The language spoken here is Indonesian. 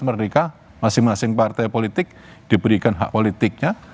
merdeka masing masing partai politik diberikan hak politiknya